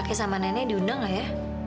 oke sama nenek diundang gak ya